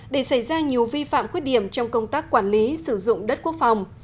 để xảy ra nhiều vi phạm khuyết điểm trong công tác quản lý sử dụng đất quốc phòng